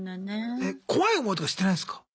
え怖い思いとかしてないんすか？